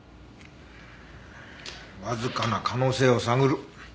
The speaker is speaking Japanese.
わずかな可能性を探る。